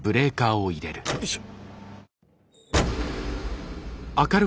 よいしょ。